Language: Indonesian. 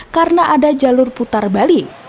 karena ada jalur putar balik